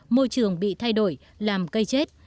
môi trường bị thay đổi làm cây chết